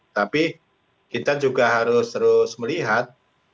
tapi kita juga harus terus melihat